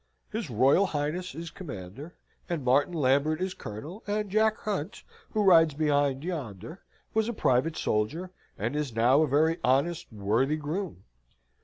His Royal Highness is commander, and Martin Lambert is colonel, and Jack Hunt, who rides behind yonder, was a private soldier, and is now a very honest, worthy groom.